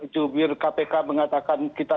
cubir kpk mengatakan kita